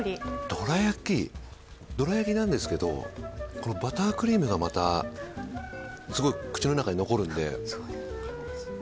どら焼きなんですけどバタークリームがまたすごい口の中に残るので。